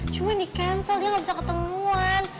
cuman di cancel dia gabisa ketemuan